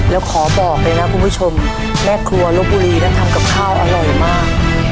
แล้วขอบอกเลยนะคุณผู้ชมแม่ครัวลบบุรีนั้นทำกับข้าวอร่อยมาก